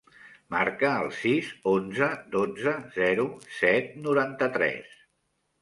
Marca el sis, onze, dotze, zero, set, noranta-tres.